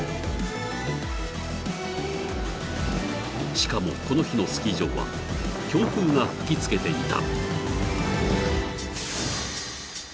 ［しかもこの日のスキー場は強風が吹き付けていた］